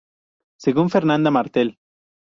Según Fernanda Martel.